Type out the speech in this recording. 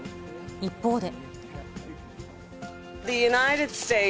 一方で。